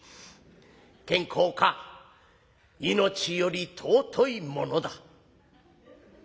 健康か命より尊いものだ」。